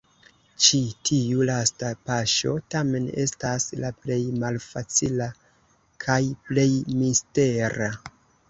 Ĉi tiu lasta paŝo, tamen, estas la plej malfacila kaj plej mistera.